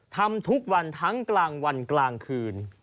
ทำทุกวันทั้งกลางวันกลางคืน